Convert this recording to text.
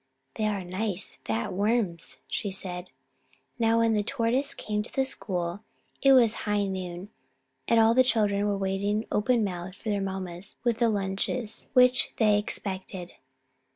"They are nice fat worms," she said. Now when the Tortoise came to the school it was high noon, and all the children were waiting open mouthed for their mammas and the lunches which they expected.